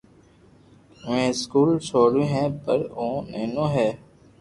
اوني اسڪول سوڙوہ ھي پر او نينو ھي